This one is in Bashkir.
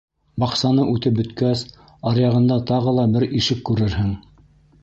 Баҡсаны үтеп бөткәс, аръяғында тағы ла бер ишек күрерһең.